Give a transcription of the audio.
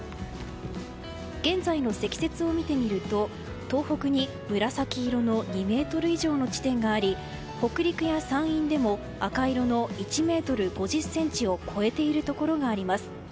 現在の積雪を見てみると東北に紫色の２ｍ以上の地点があり北陸や山陰でも赤色の１ｍ５０ｃｍを超えているところがあります。